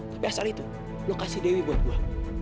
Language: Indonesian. tapi asal itu lu kasih dewi buat gue